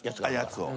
やつを。